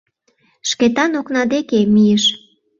Шкетан окна деке мийыш.